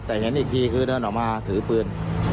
แต่เห็นอีกทีคือเดินออกมาถือปืน